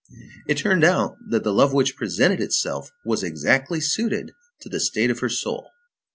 It turned out that the love which presented itself was exactly suited to the state of her soul.